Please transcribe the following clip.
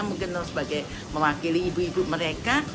mungkin sebagai mewakili ibu ibu mereka